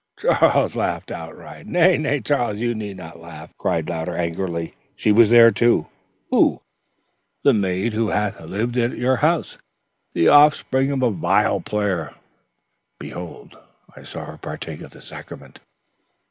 Charles laughed outright. "Nay, nay, Charles, you need not laugh," cried Louder, angrily. "She was there, too." "Who?" "The maid who hath lived at your house. The offspring of a vile player. Behold, I saw her partake of the sacrament."